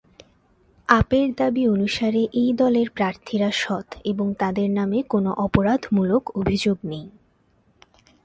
আপের দাবি অনুসারে, এই দলের প্রার্থীরা সৎ এবং তাদের নামে কোনো অপরাধমূলক অভিযোগ নেই।